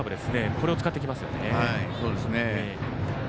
これを使ってきますよね。